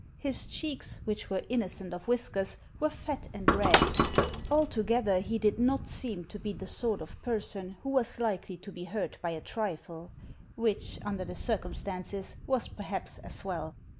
His cheeks, which were innocent of whiskers, were fat and red. Altogether he did not seem to be the sort of person who was likely to be hurt by a trifle, which, under the circum stances, was perhaps as well.